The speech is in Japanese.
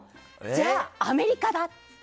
じゃあ、アメリカだ！って。